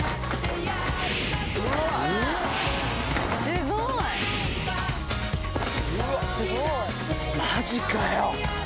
すごい！マジかよ